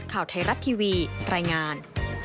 ข่าวไทยรัฐทีวีรายงาน